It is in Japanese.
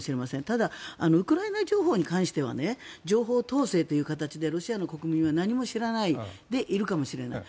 ただ、ウクライナ情報に関しては情報統制という形でロシアの国民は何も知らないでいるかもしれない。